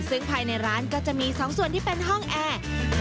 ซึ่งภายในร้านก็จะมี๒ส่วนที่เป็นห้องแอร์